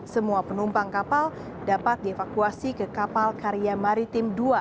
semua penumpang kapal dapat dievakuasi ke kapal karya maritim dua